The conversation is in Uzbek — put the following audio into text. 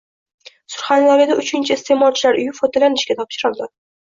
Surxondaryoda uchinchi “Iste’molchilar uyi” foydalanishga topshirildi